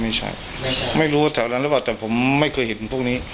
ไม่ใช่ไม่รู้แถวนั้นหรือเปล่าแต่ผมไม่เคยเห็นพวกนี้